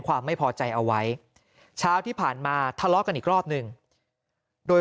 ความไม่พอใจเอาไว้เช้าที่ผ่านมาทะเลาะกันอีกรอบหนึ่งโดย